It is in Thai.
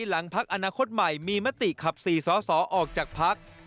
หลังพักอนาคตใหม่มีมติขับ๔สอสอออกจากพัก